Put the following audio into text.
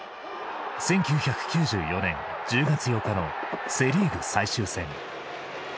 １９９４年１０月８日のセ・リーグ最終戦。